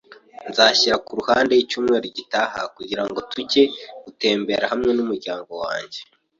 Nzashyira ku ruhande icyumweru gitaha kugirango tujye gutembera hamwe n'umuryango wanjye